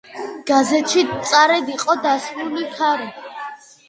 გაზეთში მწვავედ იყო დასმული ქართ.